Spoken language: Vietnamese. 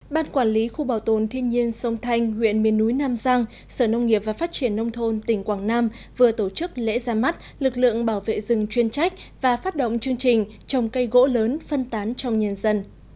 ban quản lý khu bảo tồn thiên nhiên sông thanh huyện miền núi nam giang sở nông nghiệp và phát triển nông thôn tỉnh quảng nam vừa tổ chức lễ ra mắt lực lượng bảo vệ rừng chuyên trách và phát động chương trình trồng cây gỗ lớn phân tán trong nhân dân